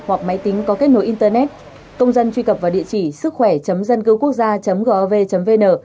hoặc máy tính có kết nối internet công dân truy cập vào địa chỉ sứckhoẻ dâncưquốcgia gov vn